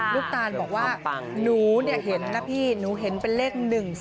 ตานบอกว่าหนูเห็นนะพี่หนูเห็นเป็นเลข๑๔